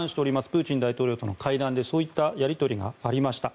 プーチン大統領との会談でそういったやり取りがありました。